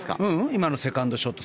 今のセカンドショット。